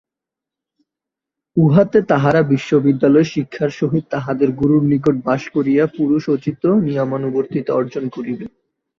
উহাতে তাহারা বিশ্ববিদ্যালয়ের শিক্ষার সহিত তাহাদের গুরুর নিকট বাস করিয়া পুরুষোচিত নিয়মানুবর্তিতা অর্জন করিবে।